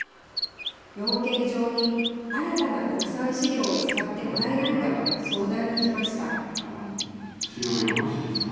養鶏場に新たな国産飼料を使ってもらえないかと相談に来ました。